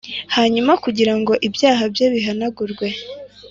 hanyuma kugira ngo ibyaha bye bihanagurwe